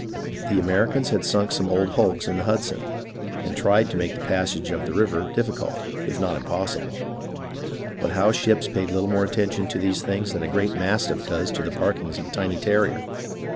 The Americans had sunk some old hulks in the Hudson, and .tried to make the passage of the river diffi cult, if not impossible; but Howe's ships paid little more attention to these things than a great mastiff does to the barkings of a tiny terrier.